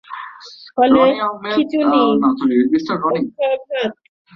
ফলে খিঁচুনি, পক্ষাঘাত, অজ্ঞান হয়ে যাওয়া থেকে মৃত্যু পর্যন্ত হতে পারে।